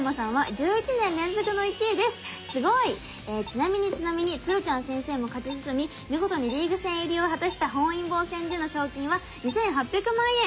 ちなみにちなみに鶴ちゃん先生も勝ち進み見事にリーグ戦入りを果たした本因坊戦での賞金は２８００万円！